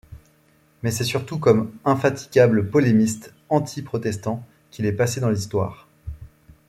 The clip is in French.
Mais c'est surtout comme infatigable polémiste anti-protestant qu'il est passé dans l'histoire.